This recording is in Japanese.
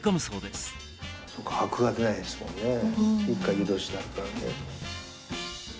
そうですよね。